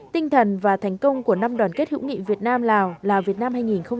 tinh thần và thành công của năm đoàn kết hữu nghị việt nam lào lào việt nam hai nghìn một mươi chín